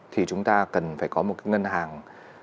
thì chúng ta cần phải có một cái ngân hàng